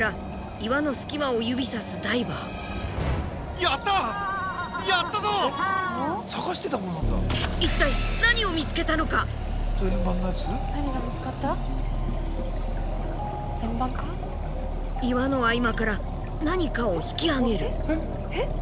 岩の合間から何かを引き上げる。